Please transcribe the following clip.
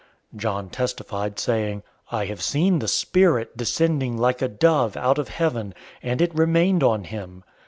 001:032 John testified, saying, "I have seen the Spirit descending like a dove out of heaven, and it remained on him.